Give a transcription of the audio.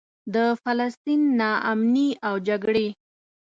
د فلسطین نا امني او جګړې.